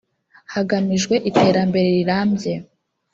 hagamijwe iterambere rirambye